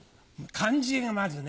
漢字がまずね。